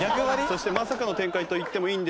そしてまさかの展開と言ってもいいんでしょうか。